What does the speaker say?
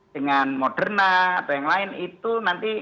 dengan moderna atau yang lain itu nanti